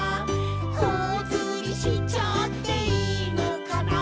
「ほおずりしちゃっていいのかな」